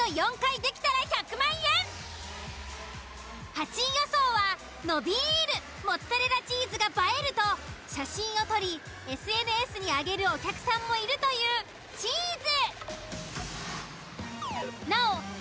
８位予想は伸びるモッツァレラチーズが映えると写真を撮りＳＮＳに上げるお客さんもいるというチーズ！